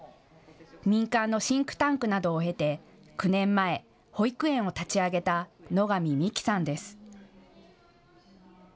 民間のシンクタンクなどを経て９年前、保育園を立ち上げた野上美希さんです。